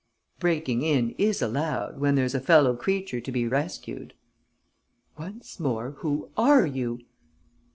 "Breaking in is allowed, when there's a fellow creature to be rescued." "Once more, who are you?"